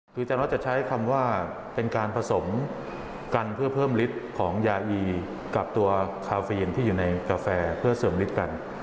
คืออาจารย์ออสจะใช้คำว่าเป็นการผสมกันเพื่อเพิ่มฤทธิ์ของยาอีกับตัวคาฟีนที่อยู่ในกาแฟเพื่อเสริมฤทธิ์กัน